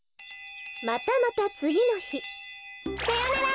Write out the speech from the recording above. またまたつぎのひさよなら！